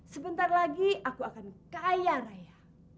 sebentar lagi aku akan kaya raya